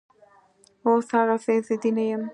اوس هغسې ضدي نه یم